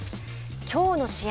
きょうの試合